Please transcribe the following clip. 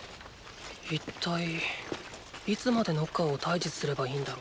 一体いつまでノッカーを退治すればいいんだろう。